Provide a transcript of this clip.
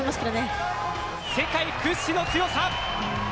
世界屈指の強さ。